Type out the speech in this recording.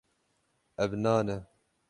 Ev nan e.